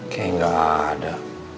kayaknya gak ada